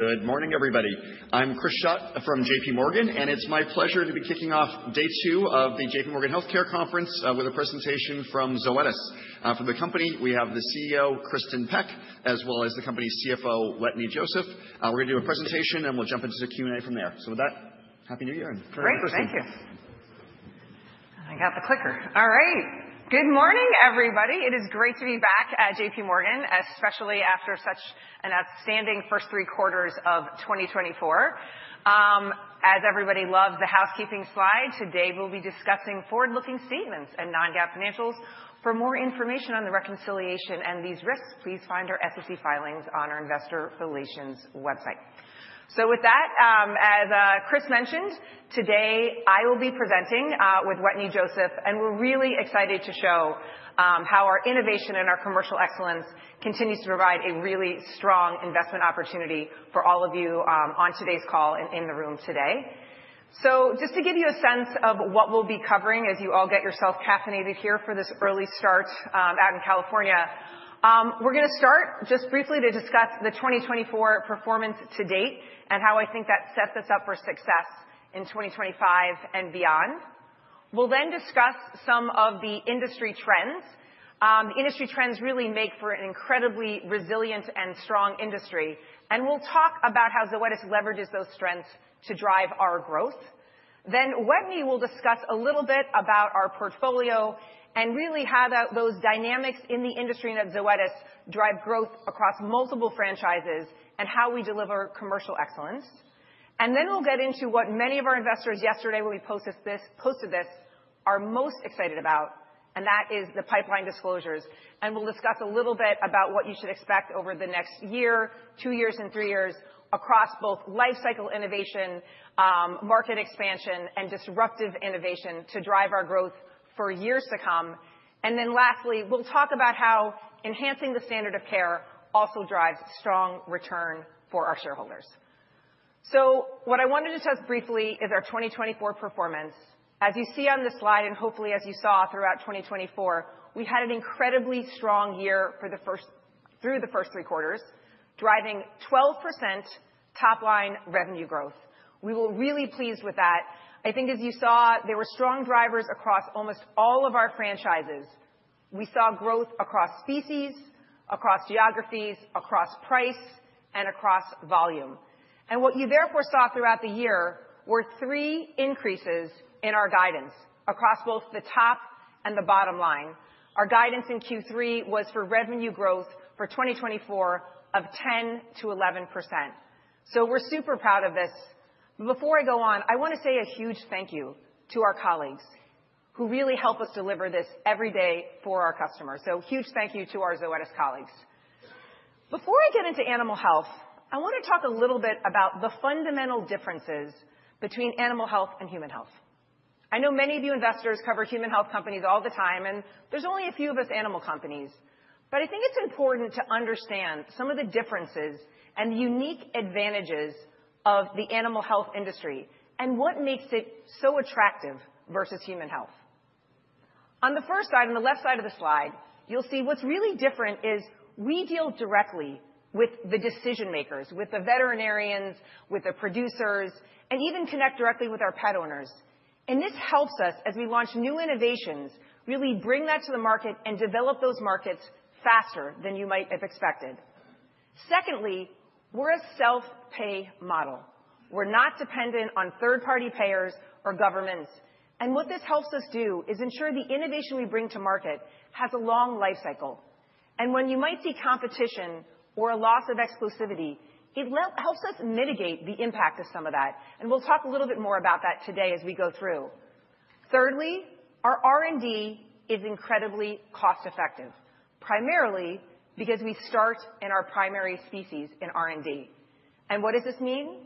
Good morning, everybody. I'm Chris Schott from J.P. Morgan, and it's my pleasure to be kicking off day two of the J.P. Morgan Healthcare Conference with a presentation from Zoetis. From the company, we have the CEO, Kristin Peck, as well as the company's CFO, Wetteny Joseph. We're going to do a presentation, and we'll jump into the Q&A from there. So with that, happy New Year and great Christmas. Great. Thank you. I got the clicker. All right. Good morning, everybody. It is great to be back at J.P. Morgan, especially after such an outstanding first three quarters of 2024. As everybody loves the housekeeping slide, today we'll be discussing forward-looking statements and non-GAAP financials. For more information on the reconciliation and these risks, please find our SEC filings on our Investor Relations website. So with that, as Chris mentioned, today I will be presenting with Wetteny Joseph, and we're really excited to show how our innovation and our commercial excellence continues to provide a really strong investment opportunity for all of you on today's call and in the room today. Just to give you a sense of what we'll be covering as you all get yourselves caffeinated here for this early start out in California, we're going to start just briefly to discuss the 2024 performance to date and how I think that sets us up for success in 2025 and beyond. We'll then discuss some of the industry trends. The industry trends really make for an incredibly resilient and strong industry. And we'll talk about how Zoetis leverages those strengths to drive our growth. Then Wetteny will discuss a little bit about our portfolio and really how those dynamics in the industry and at Zoetis drive growth across multiple franchises and how we deliver commercial excellence. And then we'll get into what many of our investors yesterday, when we posted this, are most excited about, and that is the pipeline disclosures. We'll discuss a little bit about what you should expect over the next year, two years, and three years across both lifecycle innovation, market expansion, and disruptive innovation to drive our growth for years to come. Then lastly, we'll talk about how enhancing the standard of care also drives strong return for our shareholders. What I wanted to touch briefly is our 2024 performance. As you see on this slide, and hopefully as you saw throughout 2024, we had an incredibly strong year through the first three quarters, driving 12% top-line revenue growth. We were really pleased with that. I think as you saw, there were strong drivers across almost all of our franchises. We saw growth across species, across geographies, across price, and across volume. What you therefore saw throughout the year were three increases in our guidance across both the top and the bottom line. Our guidance in Q3 was for revenue growth for 2024 of 10%-11%. We're super proud of this. Before I go on, I want to say a huge thank you to our colleagues who really help us deliver this every day for our customers. Huge thank you to our Zoetis colleagues. Before I get into animal health, I want to talk a little bit about the fundamental differences between animal health and human health. I know many of you investors cover human health companies all the time, and there's only a few of us animal companies. I think it's important to understand some of the differences and the unique advantages of the animal health industry and what makes it so attractive versus human health. On the first slide, on the left side of the slide, you'll see what's really different is we deal directly with the decision-makers, with the veterinarians, with the producers, and even connect directly with our pet owners. And this helps us, as we launch new innovations, really bring that to the market and develop those markets faster than you might have expected. Secondly, we're a self-pay model. We're not dependent on third-party payers or governments. And what this helps us do is ensure the innovation we bring to market has a long lifecycle. And when you might see competition or a loss of exclusivity, it helps us mitigate the impact of some of that. And we'll talk a little bit more about that today as we go through. Thirdly, our R&D is incredibly cost-effective, primarily because we start in our primary species in R&D. And what does this mean?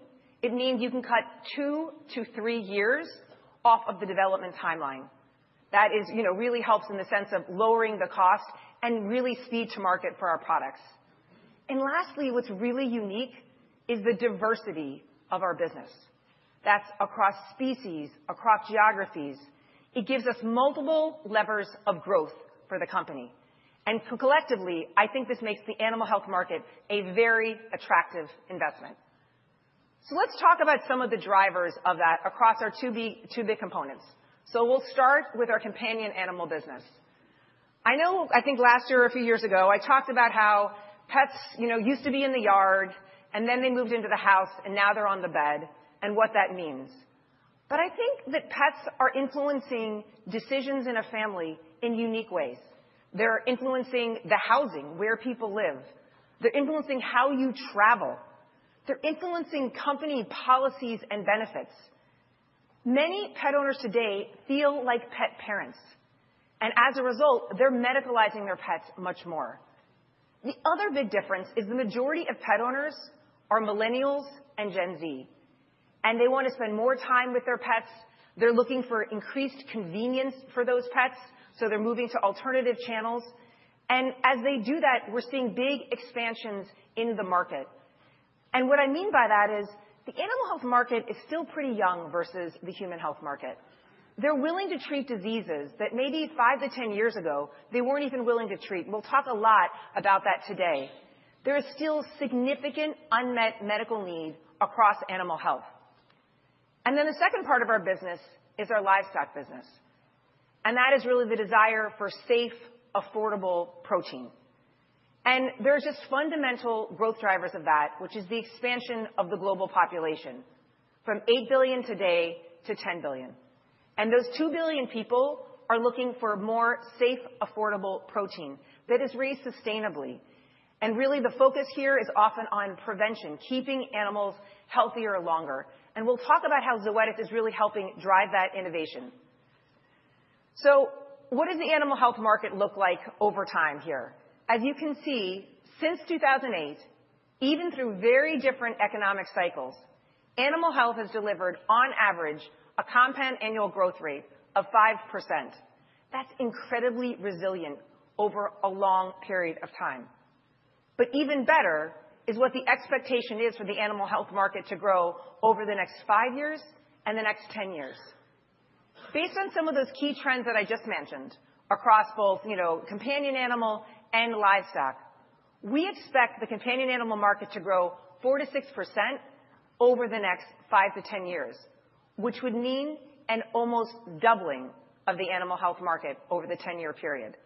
It means you can cut two-to-three years off of the development timeline. That really helps in the sense of lowering the cost and really speed to market for our products. And lastly, what's really unique is the diversity of our business. That's across species, across geographies. It gives us multiple levers of growth for the company. And collectively, I think this makes the animal health market a very attractive investment. So let's talk about some of the drivers of that across our two big components. So we'll start with our companion animal business. I think last year or a few years ago, I talked about how pets used to be in the yard, and then they moved into the house, and now they're on the bed and what that means. But I think that pets are influencing decisions in a family in unique ways. They're influencing the housing where people live. They're influencing how you travel. They're influencing company policies and benefits. Many pet owners today feel like pet parents. And as a result, they're medicalizing their pets much more. The other big difference is the majority of pet owners are Millennials and Gen Z, and they want to spend more time with their pets. They're looking for increased convenience for those pets, so they're moving to alternative channels. And as they do that, we're seeing big expansions in the market. And what I mean by that is the animal health market is still pretty young versus the human health market. They're willing to treat diseases that maybe five to ten years ago they weren't even willing to treat. We'll talk a lot about that today. There is still significant unmet medical need across animal health. And then the second part of our business is our livestock business. And that is really the desire for safe, affordable protein. And there are just fundamental growth drivers of that, which is the expansion of the global population from eight billion today to 10 billion. And those two billion people are looking for more safe, affordable protein that is raised sustainably. And really, the focus here is often on prevention, keeping animals healthier longer. And we'll talk about how Zoetis is really helping drive that innovation. So what does the animal health market look like over time here? As you can see, since 2008, even through very different economic cycles, animal health has delivered, on average, a compound annual growth rate of 5%. That's incredibly resilient over a long period of time. But even better is what the expectation is for the animal health market to grow over the next five years and the next 10 years. Based on some of those key trends that I just mentioned across both companion animal and livestock, we expect the companion animal market to grow 4%-6% over the next 5-10 years, which would mean an almost doubling of the animal health market over the 10-year period.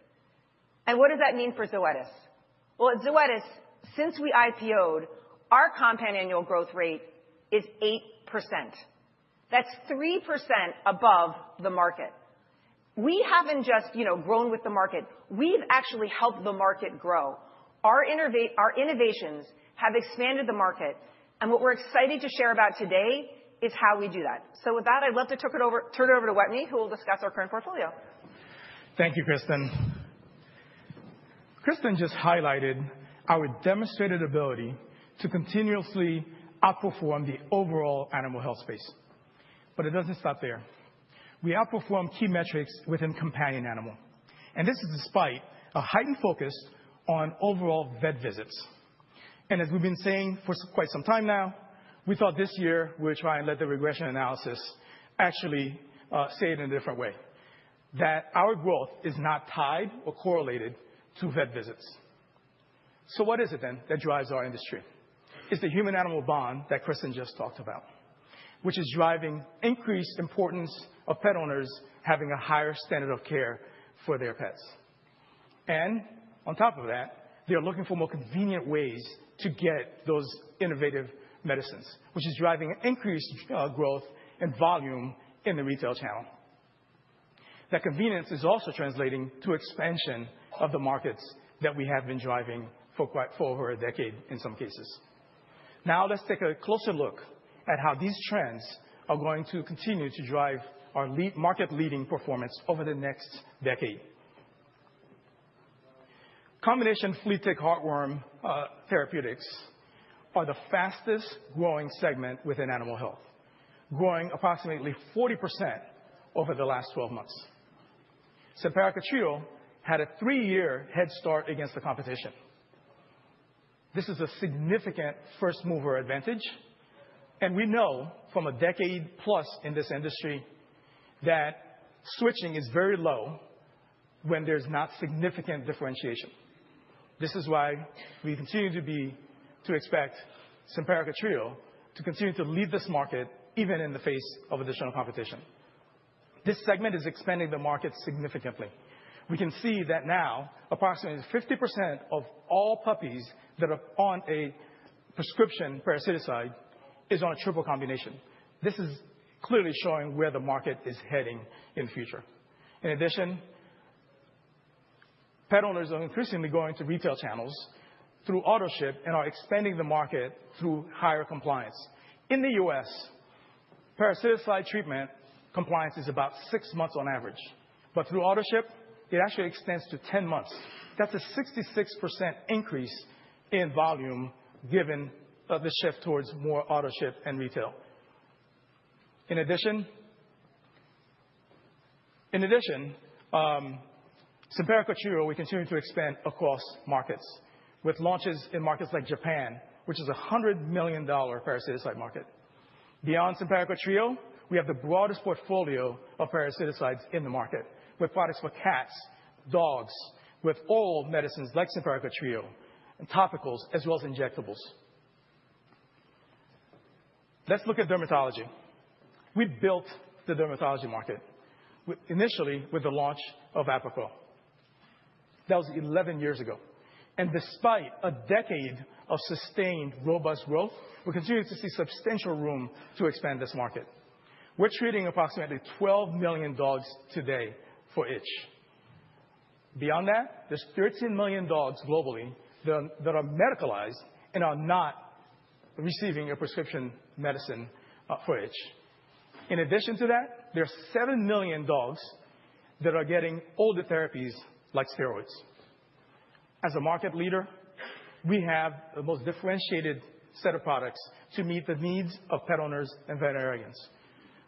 And what does that mean for Zoetis? Well, at Zoetis, since we IPOed, our compound annual growth rate is 8%. That's 3% above the market. We haven't just grown with the market. We've actually helped the market grow. Our innovations have expanded the market. And what we're excited to share about today is how we do that. So with that, I'd love to turn it over to Wetteny, who will discuss our current portfolio. Thank you, Kristin. Kristin just highlighted our demonstrated ability to continuously outperform the overall animal health space. But it doesn't stop there. We outperform key metrics within companion animal. And this is despite a heightened focus on overall vet visits. And as we've been saying for quite some time now, we thought this year we would try and let the regression analysis actually say it in a different way, that our growth is not tied or correlated to vet visits. So what is it then that drives our industry? It's the human-animal bond that Kristin just talked about, which is driving increased importance of pet owners having a higher standard of care for their pets. And on top of that, they're looking for more convenient ways to get those innovative medicines, which is driving increased growth and volume in the retail channel. That convenience is also translating to expansion of the markets that we have been driving for over a decade in some cases. Now let's take a closer look at how these trends are going to continue to drive our market-leading performance over the next decade. Combination flea tick heartworm therapeutics are the fastest-growing segment within animal health, growing approximately 40% over the last 12 months. Simparica Trio had a three-year head start against the competition. This is a significant first-mover advantage, and we know from a decade plus in this industry that switching is very low when there's not significant differentiation. This is why we continue to expect Simparica Trio to continue to lead this market even in the face of additional competition. This segment is expanding the market significantly. We can see that now approximately 50% of all puppies that are on a prescription parasiticide is on a triple combination. This is clearly showing where the market is heading in the future. In addition, pet owners are increasingly going to retail channels through auto ship and are expanding the market through higher compliance. In the U.S., parasiticide treatment compliance is about six months on average. But through auto ship, it actually extends to 10 months. That's a 66% increase in volume given the shift towards more auto ship and retail. In addition, Simparica Trio, we continue to expand across markets with launches in markets like Japan, which is a $100 million parasiticide market. Beyond Simparica Trio, we have the broadest portfolio of parasiticides in the market with products for cats, dogs, with all medicines like Simparica Trio and topicals, as well as injectables. Let's look at dermatology. We built the dermatology market initially with the launch of Apoquel. That was 11 years ago. And despite a decade of sustained robust growth, we continue to see substantial room to expand this market. We're treating approximately 12 million dogs today for itch. Beyond that, there's 13 million dogs globally that are medicalized and are not receiving a prescription medicine for itch. In addition to that, there are seven million dogs that are getting older therapies like steroids. As a market leader, we have the most differentiated set of products to meet the needs of pet owners and veterinarians.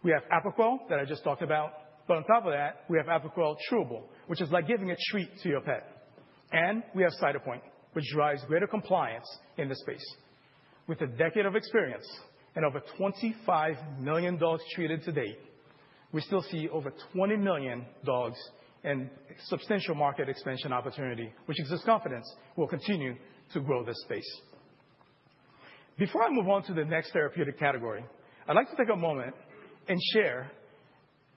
We have Apoquel that I just talked about. But on top of that, we have Apoquel Chewable, which is like giving a treat to your pet. And we have Cytopoint, which drives greater compliance in this space. With a decade of experience and over 25 million dogs treated to date, we still see over 20 million dogs and substantial market expansion opportunity, which gives us confidence we'll continue to grow this space. Before I move on to the next therapeutic category, I'd like to take a moment and share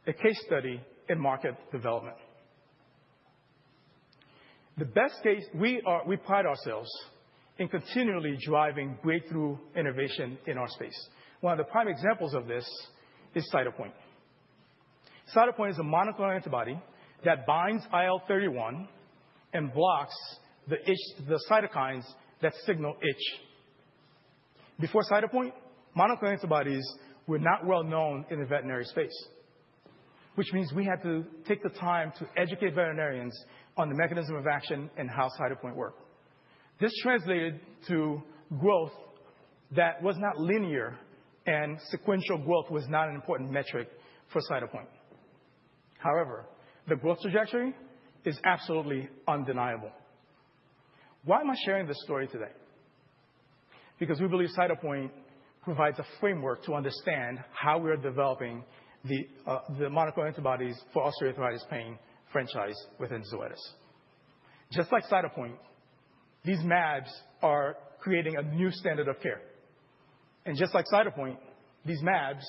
a case study in market development. The best case, we pride ourselves in continually driving breakthrough innovation in our space. One of the prime examples of this is Cytopoint. Cytopoint is a monoclonal antibody that binds IL-31 and blocks the cytokines that signal itch. Before Cytopoint, monoclonal antibodies were not well known in the veterinary space, which means we had to take the time to educate veterinarians on the mechanism of action and how Cytopoint worked. This translated to growth that was not linear, and sequential growth was not an important metric for Cytopoint. However, the growth trajectory is absolutely undeniable. Why am I sharing this story today? Because we believe Cytopoint provides a framework to understand how we are developing the monoclonal antibodies for osteoarthritis pain franchise within Zoetis. Just like Cytopoint, these MABs are creating a new standard of care. And just like Cytopoint, these MABs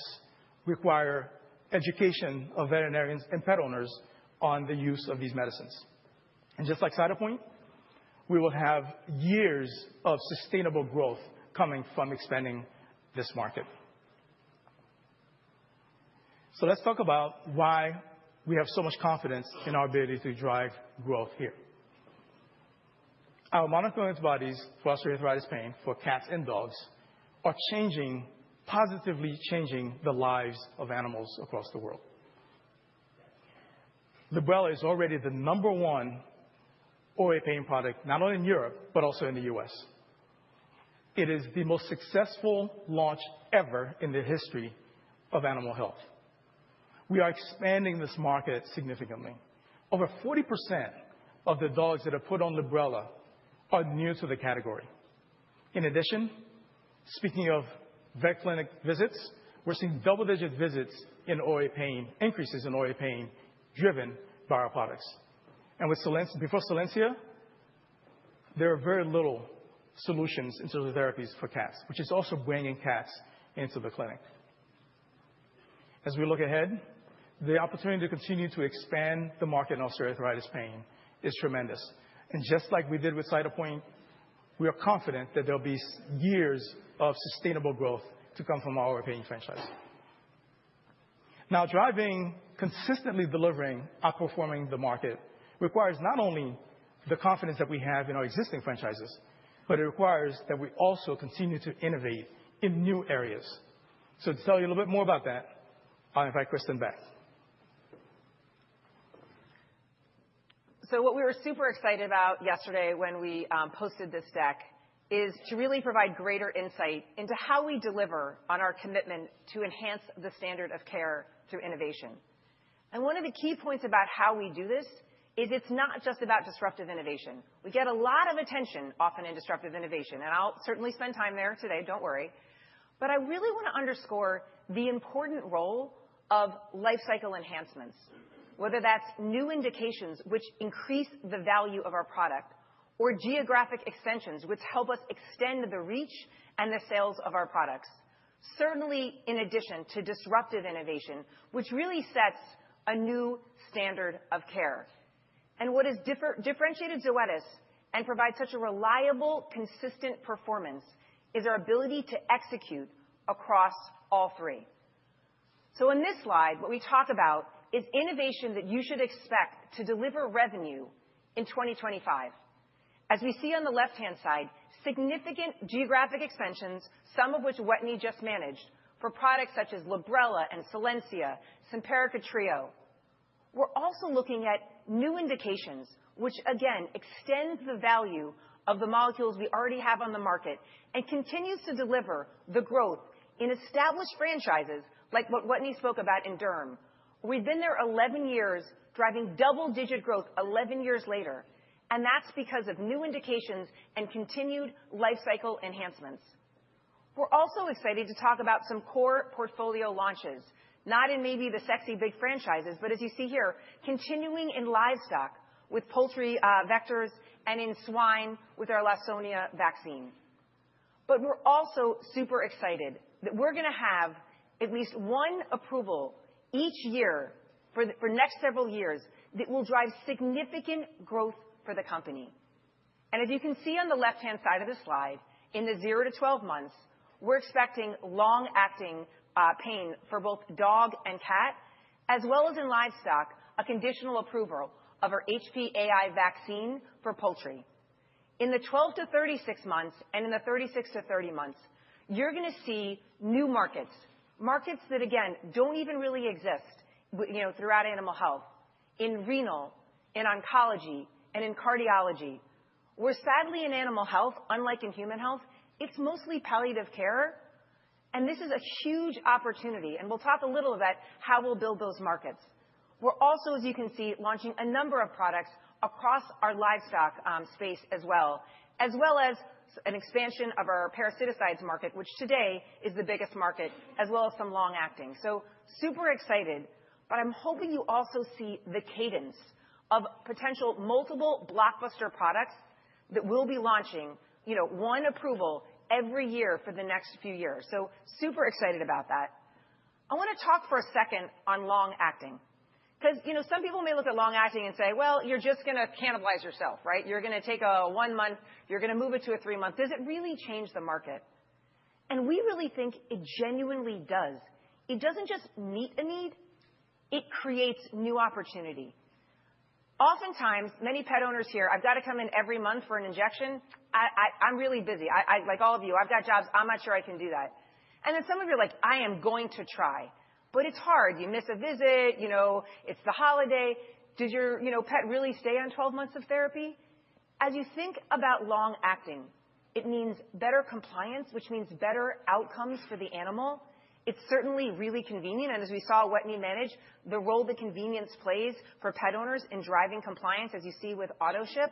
require education of veterinarians and pet owners on the use of these medicines. And just like Cytopoint, we will have years of sustainable growth coming from expanding this market. So let's talk about why we have so much confidence in our ability to drive growth here. Our monoclonal antibodies for osteoarthritis pain for cats and dogs are positively changing the lives of animals across the world. Librela is already the number one OA pain product, not only in Europe, but also in the U.S. It is the most successful launch ever in the history of animal health. We are expanding this market significantly. Over 40% of the dogs that are put on Librela are new to the category. In addition, speaking of vet clinic visits, we're seeing double-digit increases in OA pain driven by our products. And before Solensia, there are very little solutions in terms of therapies for cats, which is also bringing cats into the clinic. As we look ahead, the opportunity to continue to expand the market in osteoarthritis pain is tremendous. And just like we did with Cytopoint, we are confident that there will be years of sustainable growth to come from our OA pain franchise. Now, driving consistently delivering, outperforming the market requires not only the confidence that we have in our existing franchises, but it requires that we also continue to innovate in new areas. So to tell you a little bit more about that, I'll invite Kristin back. So what we were super excited about yesterday when we posted this deck is to really provide greater insight into how we deliver on our commitment to enhance the standard of care through innovation. And one of the key points about how we do this is it's not just about disruptive innovation. We get a lot of attention often in disruptive innovation. And I'll certainly spend time there today, don't worry. But I really want to underscore the important role of lifecycle enhancements, whether that's new indications, which increase the value of our product, or geographic extensions, which help us extend the reach and the sales of our products, certainly in addition to disruptive innovation, which really sets a new standard of care. And what has differentiated Zoetis and provides such a reliable, consistent performance is our ability to execute across all three. In this slide, what we talk about is innovation that you should expect to deliver revenue in 2025. As we see on the left-hand side, significant geographic expansions, some of which Wetteny just managed for products such as Librela and Solensia, Simparica Trio. We're also looking at new indications, which again extend the value of the molecules we already have on the market and continue to deliver the growth in established franchises like what Wetteny spoke about in Derm. We've been there 11 years driving double-digit growth 11 years later. And that's because of new indications and continued lifecycle enhancements. We're also excited to talk about some core portfolio launches, not in maybe the sexy big franchises, but as you see here, continuing in livestock with poultry vectors and in swine with our Lawsonia vaccine. But we're also super excited that we're going to have at least one approval each year for the next several years that will drive significant growth for the company. And as you can see on the left-hand side of the slide, in the 0-12 months, we're expecting long-acting pain for both dog and cat, as well as in livestock, a conditional approval of our HPAI vaccine for poultry. In the 12-36 months and in the 36-30 months, you're going to see new markets, markets that again don't even really exist throughout animal health, in renal, in oncology, and in cardiology. We're sadly in animal health, unlike in human health. It's mostly palliative care. And this is a huge opportunity. And we'll talk a little about how we'll build those markets. We're also, as you can see, launching a number of products across our livestock space as well, as well as an expansion of our parasiticides market, which today is the biggest market, as well as some long-acting. So super excited. But I'm hoping you also see the cadence of potential multiple blockbuster products that we'll be launching, one approval every year for the next few years. So super excited about that. I want to talk for a second on long-acting, because some people may look at long-acting and say, "Well, you're just going to cannibalize yourself, right? You're going to take a one-month, you're going to move it to a three-month. Does it really change the market?" And we really think it genuinely does. It doesn't just meet a need. It creates new opportunity. Oftentimes, many pet owners here, "I've got to come in every month for an injection. I'm really busy. Like all of you, I've got jobs. I'm not sure I can do that," and then some of you are like, "I am going to try," but it's hard. You miss a visit. It's the holiday. Does your pet really stay on 12 months of therapy? As you think about long-acting, it means better compliance, which means better outcomes for the animal. It's certainly really convenient, and as we saw Wetteny mentioned, the role that convenience plays for pet owners in driving compliance, as you see with auto ship.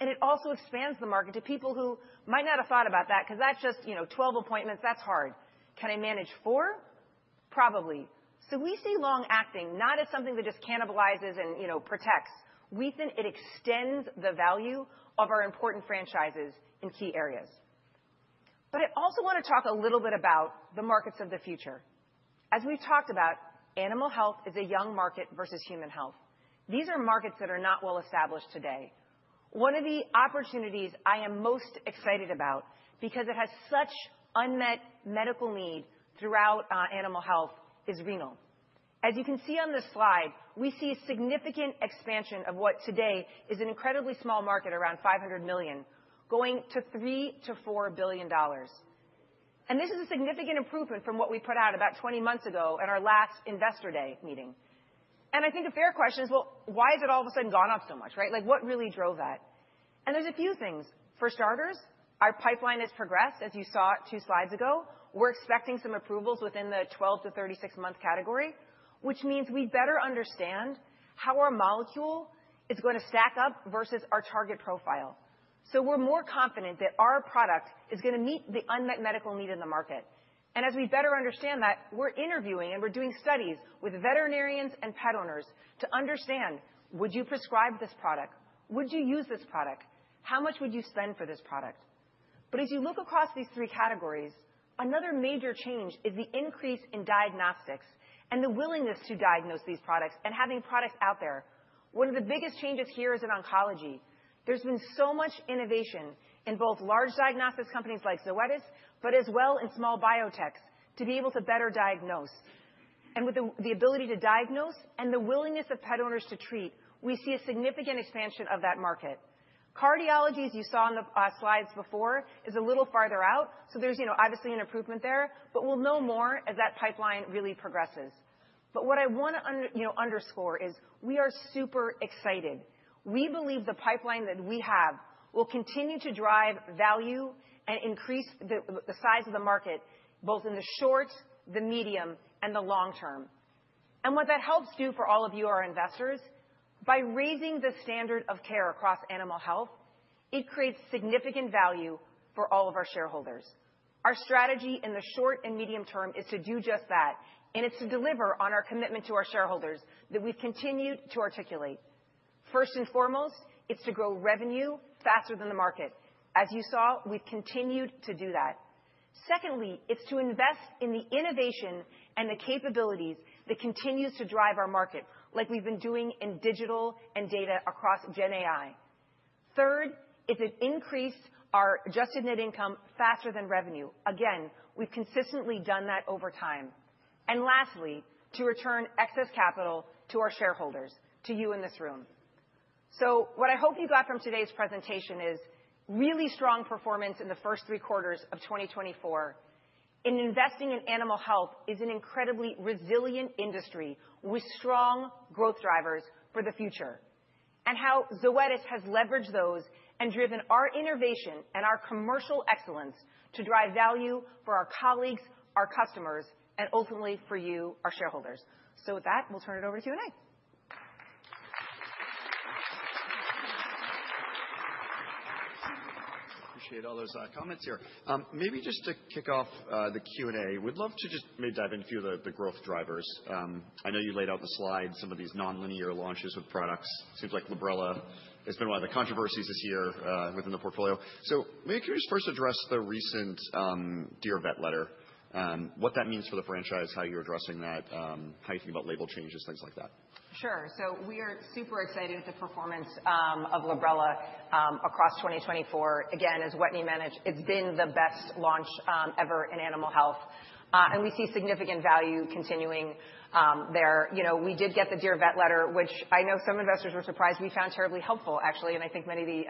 And it also expands the market to people who might not have thought about that, because that's just 12 appointments. That's hard. Can I manage four? Probably, so we see long-acting not as something that just cannibalizes and protects. We think it extends the value of our important franchises in key areas. But I also want to talk a little bit about the markets of the future. As we've talked about, animal health is a young market versus human health. These are markets that are not well established today. One of the opportunities I am most excited about because it has such unmet medical need throughout animal health is renal. As you can see on this slide, we see a significant expansion of what today is an incredibly small market, around $500 million, going to $3-$4 billion. And this is a significant improvement from what we put out about 20 months ago at our last investor day meeting. And I think a fair question is, "Well, why has it all of a sudden gone up so much?" Right? Like what really drove that? And there's a few things. For starters, our pipeline has progressed, as you saw two slides ago. We're expecting some approvals within the 12-36-month category, which means we better understand how our molecule is going to stack up versus our target profile. So we're more confident that our product is going to meet the unmet medical need in the market. And as we better understand that, we're interviewing and we're doing studies with veterinarians and pet owners to understand, "Would you prescribe this product? Would you use this product? How much would you spend for this product?" But as you look across these three categories, another major change is the increase in diagnostics and the willingness to diagnose these products and having products out there. One of the biggest changes here is in oncology. There's been so much innovation in both large diagnostics companies like Zoetis, but as well in small biotechs to be able to better diagnose, and with the ability to diagnose and the willingness of pet owners to treat, we see a significant expansion of that market. Cardiology, as you saw on the slides before, is a little farther out, so there's obviously an improvement there, but we'll know more as that pipeline really progresses, but what I want to underscore is we are super excited, we believe the pipeline that we have will continue to drive value and increase the size of the market, both in the short, the medium, and the long term, and what that helps do for all of you, our investors, by raising the standard of care across animal health, it creates significant value for all of our shareholders. Our strategy in the short and medium term is to do just that, and it's to deliver on our commitment to our shareholders that we've continued to articulate. First and foremost, it's to grow revenue faster than the market. As you saw, we've continued to do that. Secondly, it's to invest in the innovation and the capabilities that continues to drive our market, like we've been doing in digital and data across GenAI. Third, it's to increase our adjusted net income faster than revenue. Again, we've consistently done that over time, and lastly to return excess capital to our shareholders, to you in this room, so what I hope you got from today's presentation is really strong performance in the first three quarters of 2024. Investing in animal health is an incredibly resilient industry with strong growth drivers for the future and how Zoetis has leveraged those and driven our innovation and our commercial excellence to drive value for our colleagues, our customers, and ultimately for you, our shareholders. So with that, we'll turn it over to Q&A. Appreciate all those comments here. Maybe just to kick off the Q&A, we'd love to just maybe dive into a few of the growth drivers. I know you laid out the slide, some of these non-linear launches with products. It seems like Librela has been one of the controversies this year within the portfolio. So maybe can you just first address the recent Dear Veterinarian letter, what that means for the franchise, how you're addressing that, how you think about label changes, things like that? Sure. So we are super excited at the performance of Librela across 2024. Again, as Wetteny managed, it's been the best launch ever in animal health. And we see significant value continuing there. We did get the Dear Veterinarian letter, which I know some investors were surprised. We found terribly helpful, actually. And I think many of the,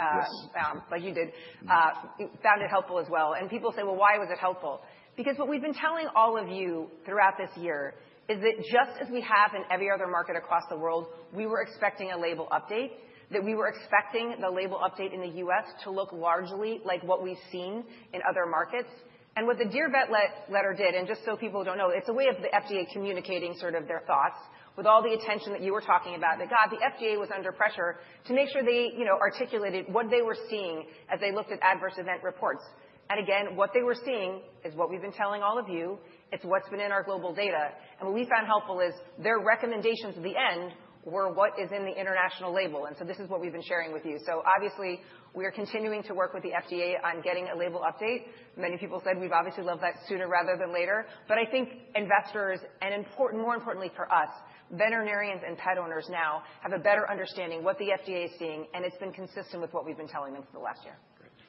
like you did, found it helpful as well. And people say, "Well, why was it helpful?" Because what we've been telling all of you throughout this year is that just as we have in every other market across the world, we were expecting a label update, that we were expecting the label update in the U.S. to look largely like what we've seen in other markets. And what the Dear Vet letter did, and just so people don't know, it's a way of the FDA communicating sort of their thoughts with all the attention that you were talking about, that, "God, the FDA was under pressure to make sure they articulated what they were seeing as they looked at adverse event reports." And again, what they were seeing is what we've been telling all of you. It's what's been in our global data. And what we found helpful is their recommendations at the end were what is in the international label. And so this is what we've been sharing with you. So obviously, we are continuing to work with the FDA on getting a label update. Many people said we've obviously loved that sooner rather than later. But I think investors and, more importantly for us, veterinarians and pet owners now have a better understanding of what the FDA is seeing. And it's been consistent with what we've been telling them for the last year.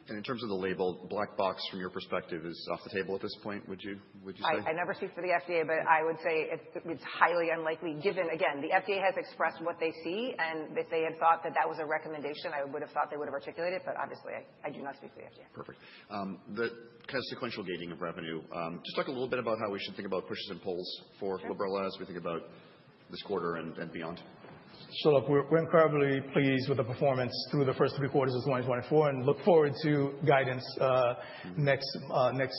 In terms of the label, Black box from your perspective is off the table at this point, would you say? I never speak for the FDA, but I would say it's highly unlikely, given, again, the FDA has expressed what they see. And if they had thought that that was a recommendation, I would have thought they would have articulated it. But obviously, I do not speak for the FDA. Perfect. The kind of sequential gating of revenue, just talk a little bit about how we should think about pushes and pulls for Librela as we think about this quarter and beyond. So look, we're incredibly pleased with the performance through the first three quarters of 2024 and look forward to guidance next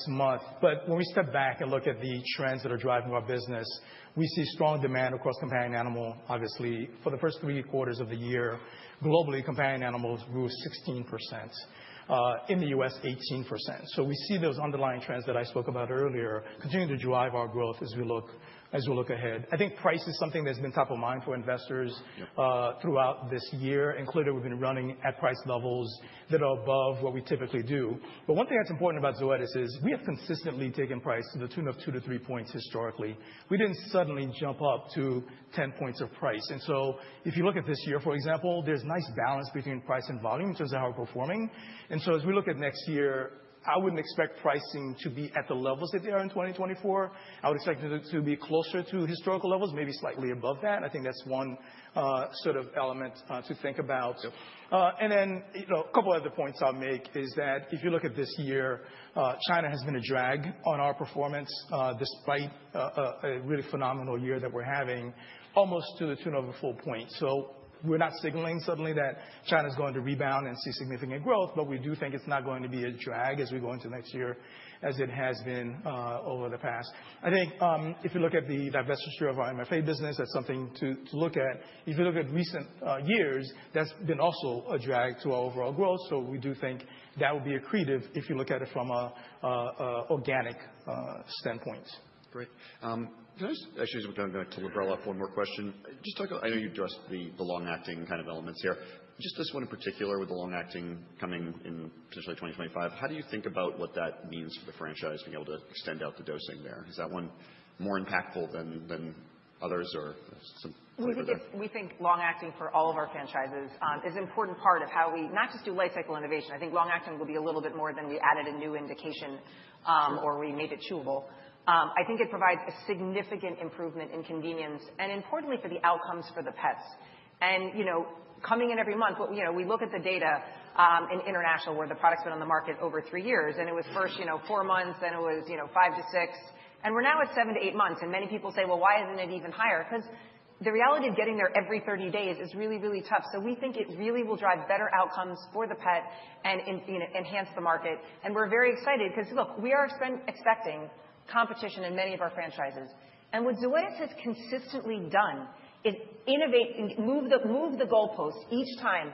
month. But when we step back and look at the trends that are driving our business, we see strong demand across companion animal, obviously, for the first three quarters of the year. Globally, companion animals grew 16%. In the U.S., 18%. So we see those underlying trends that I spoke about earlier continue to drive our growth as we look ahead. I think price is something that's been top of mind for investors throughout this year, including we've been running at price levels that are above what we typically do. But one thing that's important about Zoetis is we have consistently taken price to the tune of 2-3 points historically. We didn't suddenly jump up to 10 points of price. If you look at this year, for example, there's nice balance between price and volume in terms of how we're performing. As we look at next year, I wouldn't expect pricing to be at the levels that they are in 2024. I would expect it to be closer to historical levels, maybe slightly above that. I think that's one sort of element to think about. A couple of other points I'll make is that if you look at this year, China has been a drag on our performance despite a really phenomenal year that we're having, almost to the tune of a full point. We're not signaling suddenly that China is going to rebound and see significant growth, but we do think it's not going to be a drag as we go into next year as it has been over the past. I think if you look at the divestiture of our MFA business, that's something to look at. If you look at recent years, that's been also a drag to our overall growth. So we do think that would be accretive if you look at it from an organic standpoint. Great. Can I just actually go to Librela, one more question. Just talk about, I know you addressed the long-acting kind of elements here. Just this one in particular with the long-acting coming in potentially 2025, how do you think about what that means for the franchise being able to extend out the dosing there? Is that one more impactful than others or some? We think long-acting for all of our franchises is an important part of how we not just do life cycle innovation. I think long-acting will be a little bit more than we added a new indication or we made it chewable. I think it provides a significant improvement in convenience and importantly for the outcomes for the pets, and coming in every month, we look at the data in international where the product's been on the market over three years, and it was first four months, then it was five to six, and we're now at seven to eight months, and many people say, "Well, why isn't it even higher?" Because the reality of getting there every 30 days is really, really tough, so we think it really will drive better outcomes for the pet and enhance the market. And we're very excited because look, we are expecting competition in many of our franchises. And what Zoetis has consistently done is innovate, move the goalposts each time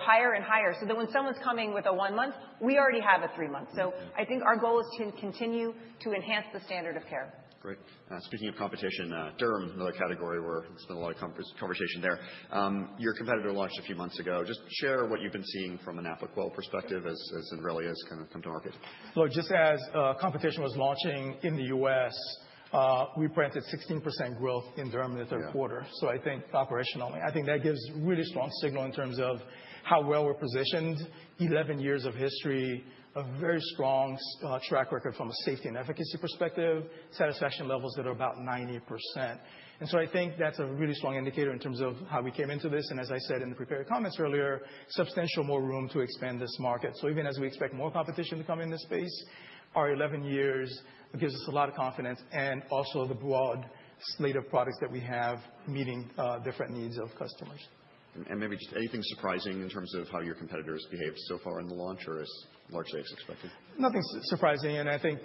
higher and higher so that when someone's coming with a one-month, we already have a three-month. So I think our goal is to continue to enhance the standard of care. Great. Speaking of competition, derm, another category where we spent a lot of conversation there. Your competitor launched a few months ago. Just share what you've been seeing from an Apoquel perspective as Zenrelia has kind of come to market. Look, just as competition was launching in the U.S., we branded 16% growth in Derm in the third quarter. So I think operationally, I think that gives a really strong signal in terms of how well we're positioned, 11 years of history, a very strong track record from a safety and efficacy perspective, satisfaction levels that are about 90%. And so I think that's a really strong indicator in terms of how we came into this. And as I said in the prepared comments earlier, substantial more room to expand this market. So even as we expect more competition to come in this space, our 11 years gives us a lot of confidence and also the broad slate of products that we have meeting different needs of customers. Maybe just anything surprising in terms of how your competitors behaved so far in the launch or as largely as expected? Nothing surprising. And I think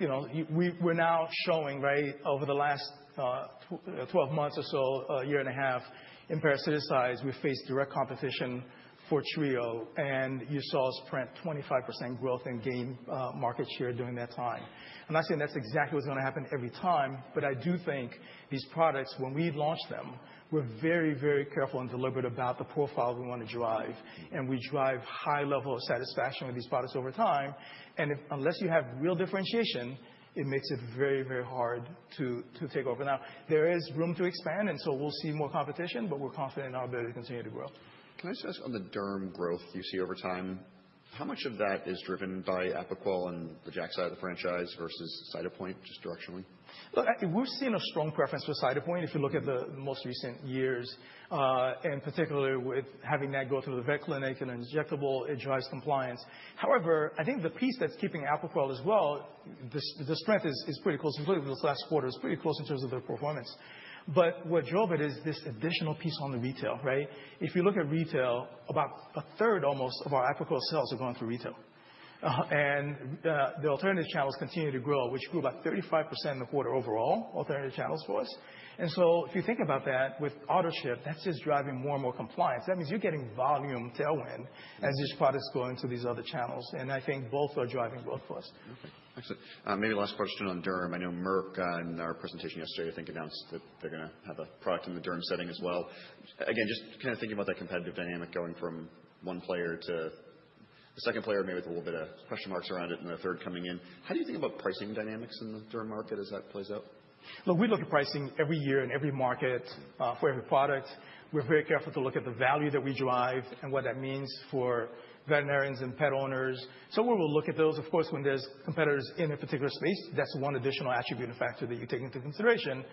we're now showing, right, over the last 12 months or so, a year and a half in parasiticide sales, we faced direct competition for Trio. And you saw us print 25% growth in global market share during that time. I'm not saying that's exactly what's going to happen every time, but I do think these products, when we launched them, we're very, very careful and deliberate about the profile we want to drive. And we drive high level of satisfaction with these products over time. And unless you have real differentiation, it makes it very, very hard to take over. Now, there is room to expand, and so we'll see more competition, but we're confident in our ability to continue to grow. Can I just ask on the Derm growth you see over time, how much of that is driven by Apoquel and the JAK side of the franchise versus Cytopoint, just directionally? Look, we've seen a strong preference for Cytopoint if you look at the most recent years, and particularly with having that go through the vet clinic and injectable, it drives compliance. However, I think the piece that's keeping Apoquel as well, the strength is pretty close. This last quarter is pretty close in terms of their performance. But what drove it is this additional piece on the retail, right? If you look at retail, about a third almost of our Apoquel sales are going through retail. And the alternative channels continue to grow, which grew about 35% in the quarter overall, alternative channels for us. And so if you think about that with auto ship, that's just driving more and more compliance. That means you're getting volume tailwind as these products go into these other channels. And I think both are driving growth for us. Excellent. Maybe last question on Derm. I know Merck in our presentation yesterday, I think announced that they're going to have a product in the Derm setting as well. Again, just kind of thinking about that competitive dynamic going from one player to the second player, maybe with a little bit of question marks around it and the third coming in. How do you think about pricing dynamics in the Derm market as that plays out? Look, we look at pricing every year in every market for every product. We're very careful to look at the value that we drive and what that means for veterinarians and pet owners. So we will look at those. Of course, when there's competitors in a particular space, that's one additional attribute and factor that you take into consideration.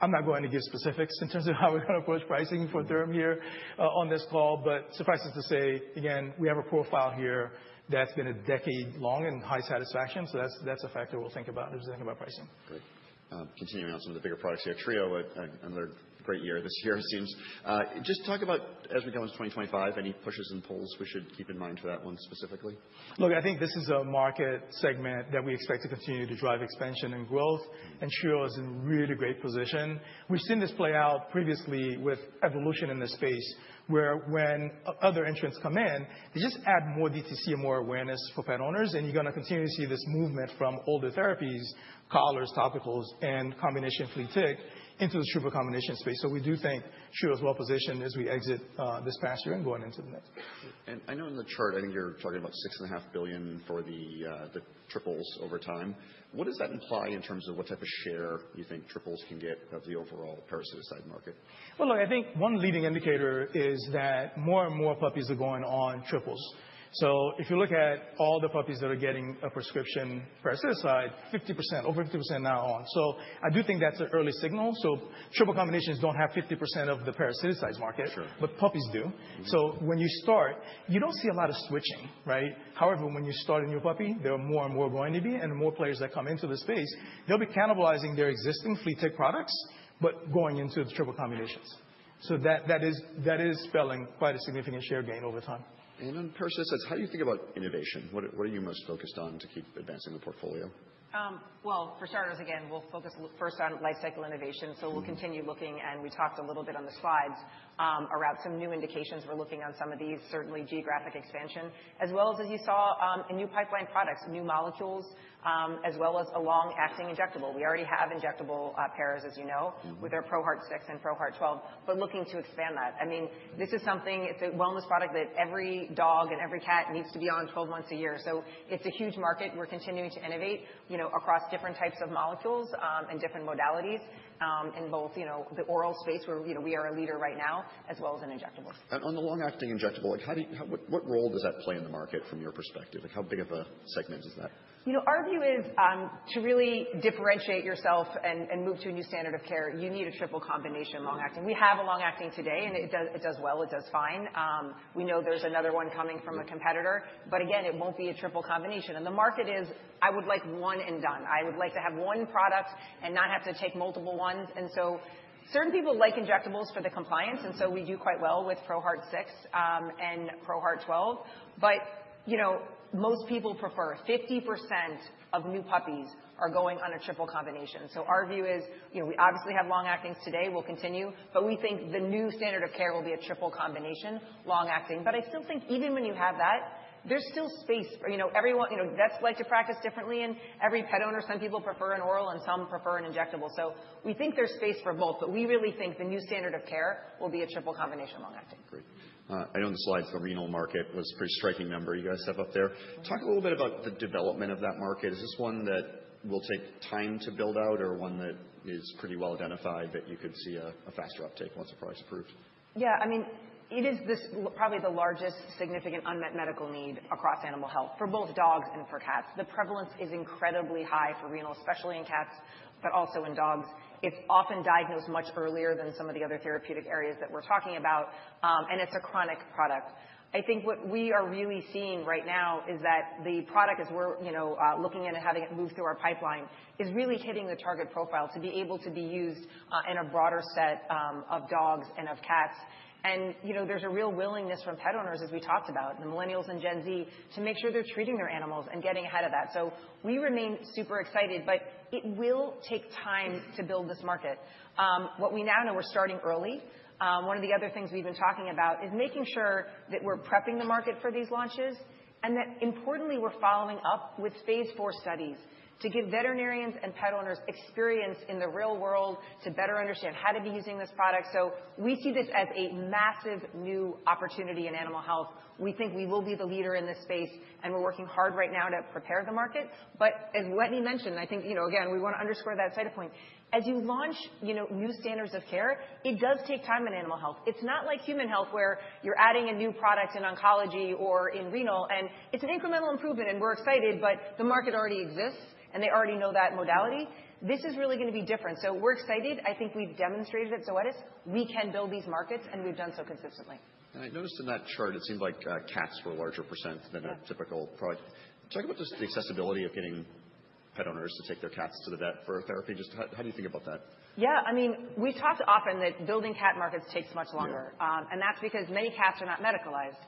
I'm not going to give specifics in terms of how we're going to approach pricing for Derm here on this call. But suffice it to say, again, we have a profile here that's been a decade long and high satisfaction. So that's a factor we'll think about as we think about pricing. Great. Continuing on some of the bigger products here, Trio, another great year this year it seems. Just talk about, as we go into 2025, any pushes and pulls we should keep in mind for that one specifically? Look, I think this is a market segment that we expect to continue to drive expansion and growth, and Trio is in really great position. We've seen this play out previously with evolution in this space where when other entrants come in, they just add more DTC and more awareness for pet owners, and you're going to continue to see this movement from older therapies, collars, topicals, and combination flea tick into the triple combination space, so we do think Trio is well positioned as we exit this past year and going into the next. I know in the chart, I think you're talking about $6.5 billion for the triples over time. What does that imply in terms of what type of share you think triples can get of the overall parasiticide market? Look, I think one leading indicator is that more and more puppies are going on triples. If you look at all the puppies that are getting a prescription parasiticide, over 50% now on. I do think that's an early signal. Triple combinations don't have 50% of the parasiticide market, but puppies do. When you start, you don't see a lot of switching, right? However, when you start a new puppy, there are more and more going to be. And more players that come into the space, they'll be cannibalizing their existing flea tick products, but going into the triple combinations. That is signaling quite a significant share gain over time. On parasiticides, how do you think about innovation? What are you most focused on to keep advancing the portfolio? For starters, again, we'll focus first on life cycle innovation. We'll continue looking, and we talked a little bit on the slides around some new indications. We're looking on some of these, certainly geographic expansion, as well as, as you saw, new pipeline products, new molecules, as well as a long-acting injectable. We already have injectable parasiticides, as you know, with our ProHeart 6 and ProHeart 12, but looking to expand that. I mean, this is something, it's a wellness product that every dog and every cat needs to be on 12 months a year. It's a huge market. We're continuing to innovate across different types of molecules and different modalities in both the oral space where we are a leader right now, as well as in injectables. On the long-acting injectable, what role does that play in the market from your perspective? How big of a segment is that? Our view is to really differentiate yourself and move to a new standard of care, you need a triple combination long-acting. We have a long-acting today, and it does well. It does fine. We know there's another one coming from a competitor. But again, it won't be a triple combination. And the market is, I would like one and done. I would like to have one product and not have to take multiple ones. And so certain people like injectables for the compliance. And so we do quite well with ProHeart 6 and ProHeart 12. But most people prefer 50% of new puppies are going on a triple combination. So our view is we obviously have long-actings today. We'll continue. But we think the new standard of care will be a triple combination long-acting. But I still think even when you have that, there's still space. Everyone that likes to practice differently, and every pet owner, some people prefer an oral and some prefer an injectable, so we think there's space for both, but we really think the new standard of care will be a triple combination long-acting. Great. I know on the slides, the renal market was a pretty striking number you guys have up there. Talk a little bit about the development of that market. Is this one that will take time to build out or one that is pretty well identified that you could see a faster uptake once the product's approved? Yeah. I mean, it is probably the largest significant unmet medical need across animal health for both dogs and for cats. The prevalence is incredibly high for renal, especially in cats, but also in dogs. It's often diagnosed much earlier than some of the other therapeutic areas that we're talking about, and it's a chronic product. I think what we are really seeing right now is that the product as we're looking at it, having it move through our pipeline is really hitting the target profile to be able to be used in a broader set of dogs and of cats, and there's a real willingness from pet owners, as we talked about, the millennials and Gen Z, to make sure they're treating their animals and getting ahead of that, so we remain super excited, but it will take time to build this market. What we now know, we're starting early. One of the other things we've been talking about is making sure that we're prepping the market for these launches and that, importantly, we're following up with phase four studies to give veterinarians and pet owners experience in the real world to better understand how to be using this product, so we see this as a massive new opportunity in animal health. We think we will be the leader in this space, and we're working hard right now to prepare the market, but as Wetteny mentioned, I think, again, we want to underscore that set of points. As you launch new standards of care, it does take time in animal health. It's not like human health where you're adding a new product in oncology or in renal, and it's an incremental improvement, and we're excited, but the market already exists and they already know that modality. This is really going to be different. So we're excited. I think we've demonstrated at Zoetis we can build these markets, and we've done so consistently. I noticed in that chart, it seemed like cats were a larger percent than a typical product. Talk about just the accessibility of getting pet owners to take their cats to the vet for therapy. Just how do you think about that? Yeah. I mean, we've talked often that building cat markets takes much longer. And that's because many cats are not medicalized.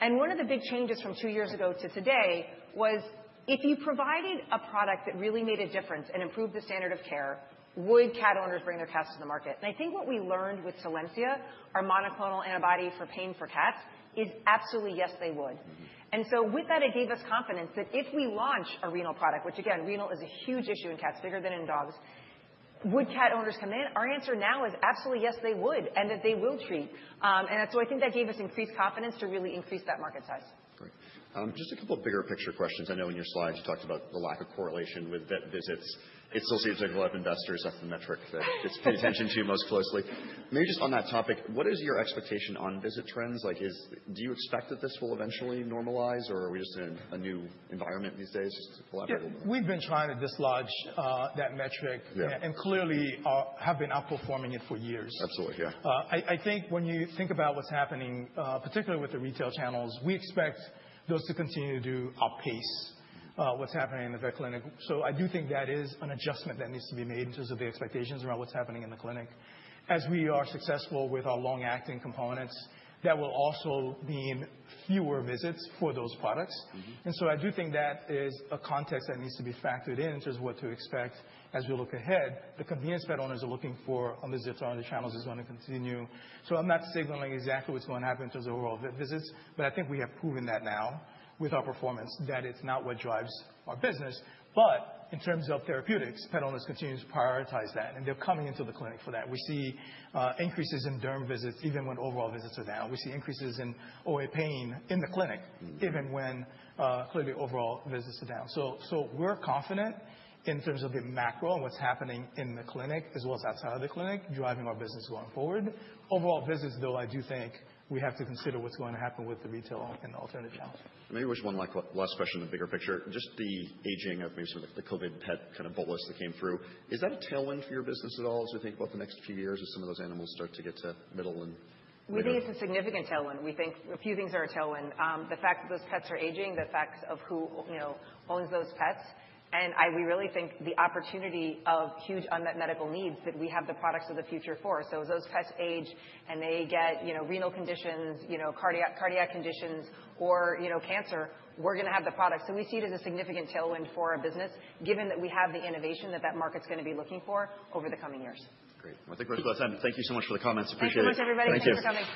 And one of the big changes from two years ago to today was if you provided a product that really made a difference and improved the standard of care, would cat owners bring their cats to the market? And I think what we learned with Solensia, our monoclonal antibody for pain for cats, is absolutely yes, they would. And so with that, it gave us confidence that if we launch a renal product, which again, renal is a huge issue in cats, bigger than in dogs, would cat owners come in? Our answer now is absolutely yes, they would, and that they will treat. And so I think that gave us increased confidence to really increase that market size. Great. Just a couple of bigger picture questions. I know in your slides you talked about the lack of correlation with vet visits. It still seems like a lot of investors have the metric that gets paid attention to most closely. Maybe just on that topic, what is your expectation on visit trends? Do you expect that this will eventually normalize, or are we just in a new environment these days? Just elaborate a little bit. Yeah. We've been trying to dislodge that metric and clearly have been outperforming it for years. Absolutely. Yeah. I think when you think about what's happening, particularly with the retail channels, we expect those to continue to outpace what's happening in the vet clinic. So I do think that is an adjustment that needs to be made in terms of the expectations around what's happening in the clinic. As we are successful with our long-acting components, that will also mean fewer visits for those products. And so I do think that is a context that needs to be factored in in terms of what to expect as we look ahead. The convenience pet owners are looking for on visits or on the channels is going to continue. So I'm not signaling exactly what's going to happen in terms of overall vet visits, but I think we have proven that now with our performance that it's not what drives our business. But in terms of therapeutics, pet owners continue to prioritize that, and they're coming into the clinic for that. We see increases in Derm visits even when overall visits are down. We see increases in OA pain in the clinic even when clearly overall visits are down. So we're confident in terms of the macro and what's happening in the clinic as well as outside of the clinic driving our business going forward. Overall visits, though, I do think we have to consider what's going to happen with the retail and the alternative channels. Maybe just one last question, the bigger picture. Just the aging of maybe some of the COVID pet kind of bolus that came through. Is that a tailwind for your business at all as we think about the next few years as some of those animals start to get to middle and later? We think it's a significant tailwind. We think a few things are a tailwind. The fact that those pets are aging, the fact of who owns those pets. And we really think the opportunity of huge unmet medical needs that we have the products of the future for. So as those pets age and they get renal conditions, cardiac conditions, or cancer, we're going to have the products. So we see it as a significant tailwind for our business given that we have the innovation that that market's going to be looking for over the coming years. Great. I think we're just about done. Thank you so much for the comments. Appreciate it. Thank you so much, everybody. Thank you so much.